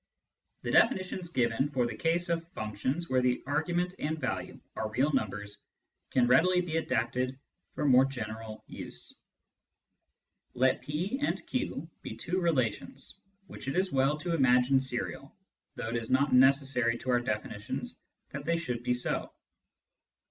The definitions given for the case of functions where argument and value are real numbers can readily be adapted for more general use. Let P and Q be two relations, which it is well to imagine serial, though it is not necessary to our definitions that they should be so.